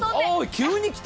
急に来た。